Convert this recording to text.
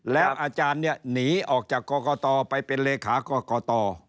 แล้วอาจารย์เนี่ยหนีออกจากกรกตไปเป็นเลขากรกต